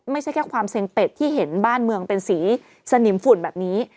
ไม่ใช่แค่ความเซ็งเป็ดที่เห็นบ้านเมืองเป็นสีสนิมฝุ่นแบบนี้